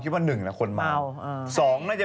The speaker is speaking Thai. พี่ชอบแซงไหลทางอะเนาะ